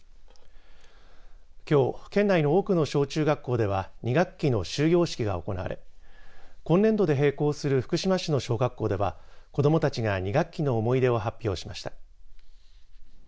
きょう、県内の多くの小中学校では２学期の終業式が行われ今年度で閉校する福島市の小学校では子どもたちが２学期の思い出を発表しました。